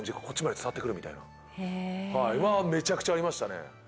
こっちまで伝わってくるみたいなはいはめちゃくちゃありましたね